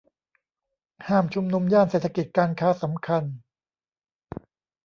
ห้ามชุมนุมย่านเศรษฐกิจการค้าสำคัญ